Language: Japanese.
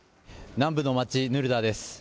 南部の街、ヌルダーです。